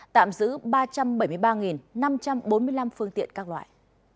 tạm giữ ba trăm bảy mươi ba năm trăm bốn mươi năm phương tiện các loại